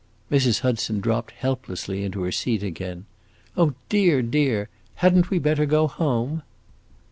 Mrs. Hudson dropped helplessly into her seat again. "Oh dear, dear, had n't we better go home?"